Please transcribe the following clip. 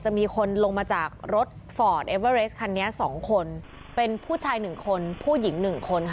จะมีคนลงมาจากรถคันนี้สองคนเป็นผู้ชายหนึ่งคนผู้หญิงหนึ่งคนค่ะ